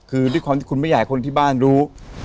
คือด้วยความที่คุณไม่อยากให้คนที่บ้านรู้